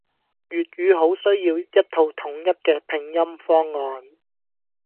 粵語好需要一套統一嘅拼音方案